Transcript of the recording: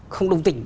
không đồng tình